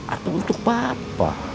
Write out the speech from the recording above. atau untuk bapak